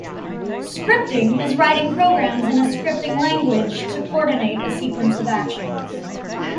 Scripting is writing programs in a scripting language to coordinate a sequence of actions.